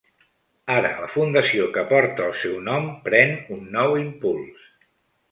Ara la Fundació que porta el seu nom pren un nou impuls.